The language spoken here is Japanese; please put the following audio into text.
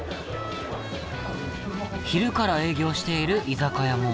昼から営業している居酒屋も。